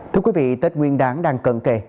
thưa quý vị tết nguyên đáng đang cận kề